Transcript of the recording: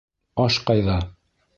Аш ҡайҙа?